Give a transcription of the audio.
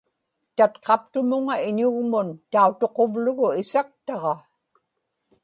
tatqaptumuŋa iñugmun tautuquvlugu isaktaġa